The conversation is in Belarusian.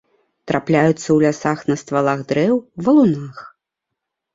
Трапляюцца ў лясах на ствалах дрэў, валунах.